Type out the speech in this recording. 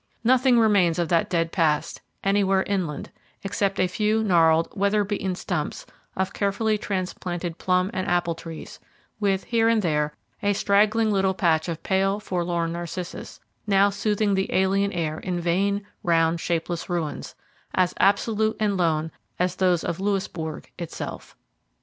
Nothing remains of that dead past, anywhere inland, except a few gnarled, weather beaten stumps of carefully transplanted plum and apple trees, with, here and there, a straggling little patch of pale, forlorn narcissus, now soothing the alien air in vain, round shapeless ruins, as absolute and lone as those of Louisbourg itself.